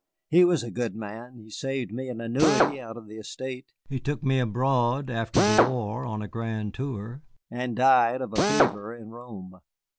He was a good man; he saved me an annuity out of the estate, he took me abroad after the war on a grand tour, and died of a fever in Rome.